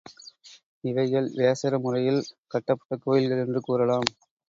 இவைகள் வேசர முறையில் கட்டப்பட்ட கோயில்கள் என்று கூறலாம்.